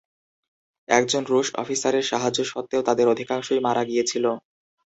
একজন রুশ অফিসারের সাহায্য সত্ত্বেও, তাদের অধিকাংশই মারা গিয়েছিল।